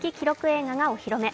映画がお披露目。